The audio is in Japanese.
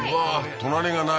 隣がない